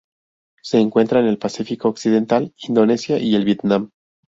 Se encuentra en el Pacífico occidental: Indonesia y el Vietnam.